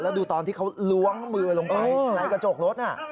แล้วดูตอนที่เขาล้วงมือลงไปในกระจกรถน่ะ